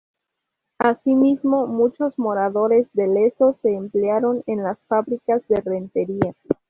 Asimismo, muchos moradores de Lezo se emplearon en las fábricas de Rentería.